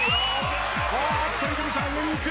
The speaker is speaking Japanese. おっと泉さん上にいく！